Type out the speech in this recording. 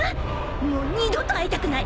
［もう二度と会いたくない！］